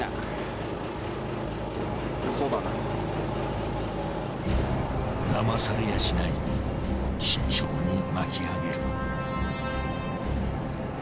だまされやしない慎重に巻き上げる。